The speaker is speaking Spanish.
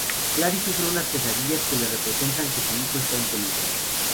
Claire sufre unas pesadillas que le representan que su hijo está en peligro.